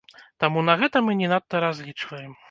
Таму на гэта мы не надта разлічваем.